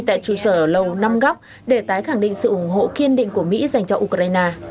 tại trụ sở lầu năm góc để tái khẳng định sự ủng hộ kiên định của mỹ dành cho ukraine